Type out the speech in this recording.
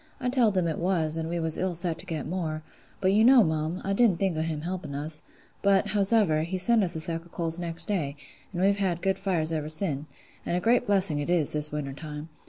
I telled him it was, an' we was ill set to get more: but you know, mum, I didn't think o' him helping us; but, howsever, he sent us a sack o' coals next day; an' we've had good fires ever sin': and a great blessing it is, this winter time.